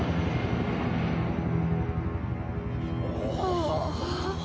ああ。